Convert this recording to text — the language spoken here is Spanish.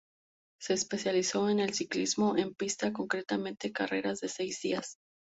Se especializó en el ciclismo en pista concretamente carreras de seis días.